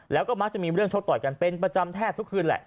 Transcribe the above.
แล้วก็มักจะมีเรื่องชกต่อยกันเป็นประจำแทบทุกคืนแหละ